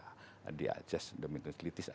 ada yang diakses dominus litis